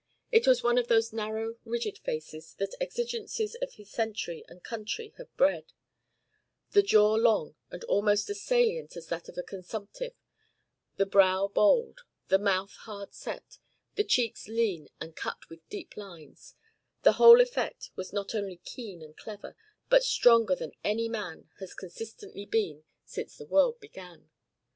It was one of those narrow rigid faces the exigencies of his century and country have bred, the jaw long and almost as salient as that of a consumptive, the brow bold, the mouth hard set, the cheeks lean and cut with deep lines, the whole effect not only keen and clever but stronger than any man has consistently been since the world began.